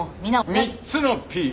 ３つのＰ！